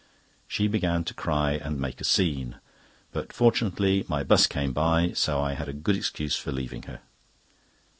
She began to cry and make a scene; but fortunately my 'bus came by, so I had a good excuse for leaving her.